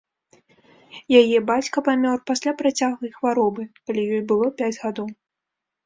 Яе бацька памёр пасля працяглай хваробы, калі ёй было пяць гадоў.